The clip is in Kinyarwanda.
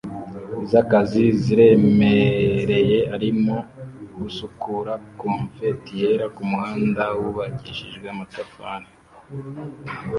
zakazi ziremereye arimo gusukura confetti yera kumuhanda wubakishijwe amatafari